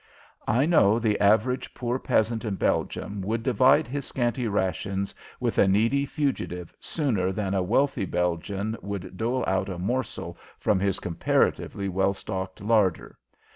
I know the average poor peasant in Belgium would divide his scanty rations with a needy fugitive sooner than a wealthy Belgian would dole out a morsel from his comparatively well stocked larder.